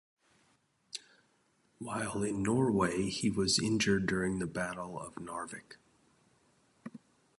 While in Norway, he was injured during the Battle of Narvik.